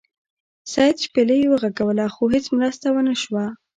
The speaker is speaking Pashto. سید شپیلۍ وغږوله خو هیڅ مرسته ونه شوه.